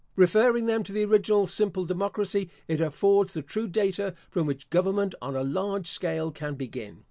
* Referring them to the original simple democracy, it affords the true data from which government on a large scale can begin.